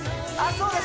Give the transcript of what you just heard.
そうです